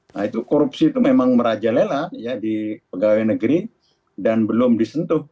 nah itu korupsi itu memang merajalela ya di pegawai negeri dan belum disentuh